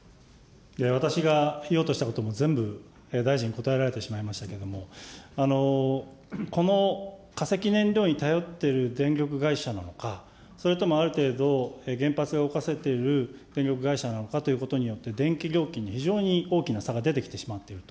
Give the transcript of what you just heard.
私が言おうとしたことを全部大臣答えられてしまいましたけれども、この化石燃料に頼っている電力会社なのか、それともある程度、原発が動かせている電力会社なのかということによって、電気料金に非常に大きな差が出てきてしまっていると。